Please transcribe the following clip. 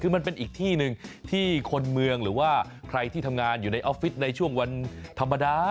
คือมันเป็นอีกที่หนึ่งที่คนเมืองหรือว่าใครที่ทำงานอยู่ในออฟฟิศในช่วงวันธรรมดา